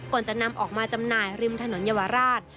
ก่อนจะนำออกมาจำหน่ายริมถนนเยาวราช